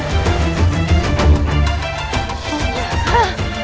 bisa saling mengenal satu sama lain